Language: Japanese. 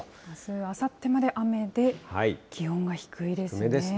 あさってまで雨で、気温が低いですね。